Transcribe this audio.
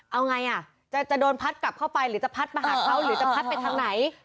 เอาไงอ่ะจะโดนพัดกลับเข้าไปหรือจะพัดมาหาเขาหรือจะพัดไปทางไหน